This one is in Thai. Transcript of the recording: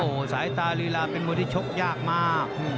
โอ้โหสายตาลีลาเป็นมวยที่ชกยากมาก